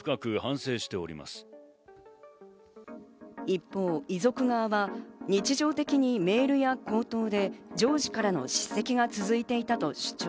一方、遺族側は日常的にメールや口頭で上司からの叱責が続いていたと主張。